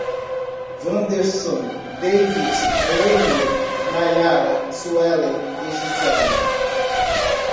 Vanderson, Devid, Laine, Naiara, Suelen e Giseli